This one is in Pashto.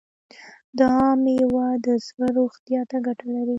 دا میوه د زړه روغتیا ته ګټه لري.